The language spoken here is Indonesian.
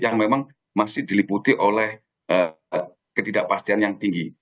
yang memang masih diliputi oleh ketidakpastian yang tinggi